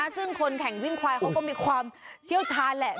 ซึ่งคนแข่งวิ่งควายเขาก็มีความเชี่ยวชาญแหละ